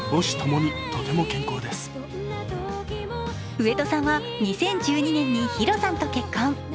上戸さんは２０１２年にＨＩＲＯさんと結婚。